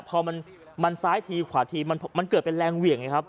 พอมันซ้ายทีขวาทีมันเกิดเป็นแรงเหวี่ยงไงครับ